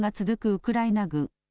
ウクライナ軍。